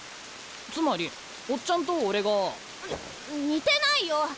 つまりオッチャンと俺が。に似てないよ！